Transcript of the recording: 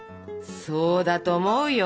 そうだと思うよ！